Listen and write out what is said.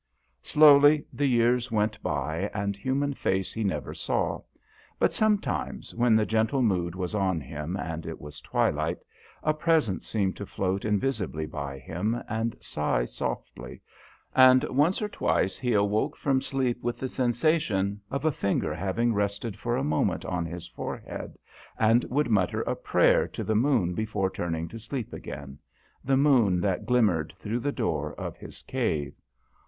Slowly the years went by and human face he never saw, but sometimes, when the gentle mood was on him and it was twilight, a presence seemed to float in visibly by him and sigh softly, and once or twice he awoke from sleep with the sensation of a finger having rested for a mo ment on his forehead, and would mutter a prayer to the moon before turning to sleep again the moon that glimmered through the door of his cave.